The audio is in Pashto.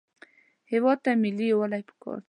هېواد ته ملي یووالی پکار دی